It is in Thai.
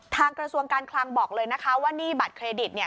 กระทรวงการคลังบอกเลยนะคะว่าหนี้บัตรเครดิตเนี่ย